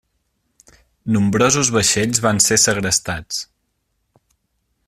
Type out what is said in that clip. Nombrosos vaixells van ser segrestats.